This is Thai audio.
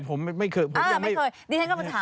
ผมไม่เคย